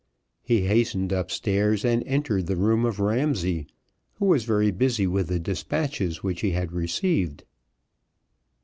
He hastened upstairs and entered the room of Ramsay, who was very busy with the despatches which he had received.